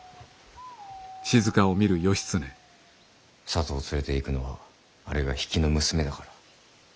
里を連れていくのはあれが比企の娘だから。